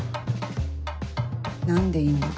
何でいんの？